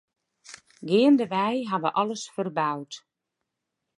Geandewei ha we alles ferboud.